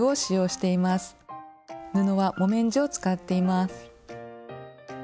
布は木綿地を使っています。